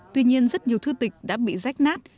tuy nhiên rất nhiều thư tịch đã bị rách nát